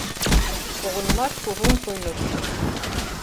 Погынымаш кужун шуйныш.